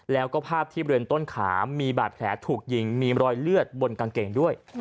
แล้วก็ภาพที่บริเวณต้นขามีบาดแผลถูกยิงมีรอยเลือดบนกางเกงด้วย